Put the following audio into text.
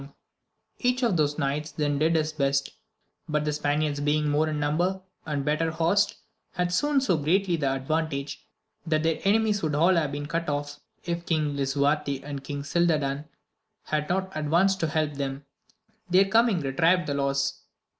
AMADIS OF GAUL 191 Each of those knights then did his best; but the Spaniards being more in number, and better horsed, had soon so greatly the advantage, that their enemies would all have been cut off, if King Lisuarte and King Gildadan had not advanced to help them : their coming retrieved the loss.